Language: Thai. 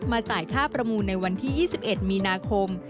จ่ายค่าประมูลในวันที่๒๑มีนาคม